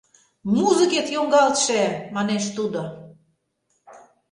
Музыкет йоҥгалтше! — манеш тудо.